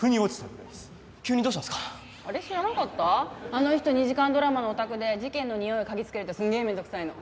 あの人２時間ドラマのオタクで事件のにおいを嗅ぎつけるとすんげえ面倒くさいの。